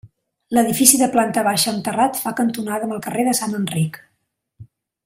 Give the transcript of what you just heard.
L'edifici de planta baixa amb terrat fa cantonada amb el carrer de Sant Enric.